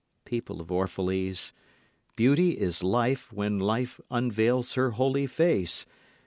People of Orphalese, beauty is life when life unveils her holy face.